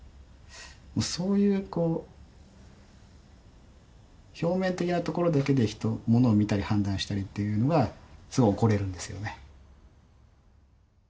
そういうこう表面的なところだけで人ものを見たり判断したりというのがすごい怒れるんですよね。